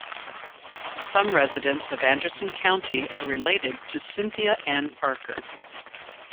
Some residents of Anderson County are related to Cynthia Ann Parker.